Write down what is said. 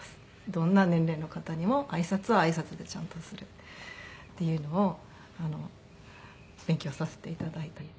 どんな年齢の方にも挨拶は挨拶でちゃんとするっていうのを勉強させて頂いたり。